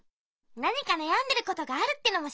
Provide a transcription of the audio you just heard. なにかなやんでることがあるってのもしってるよ。